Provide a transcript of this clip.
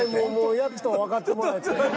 やっとわかってもらえて。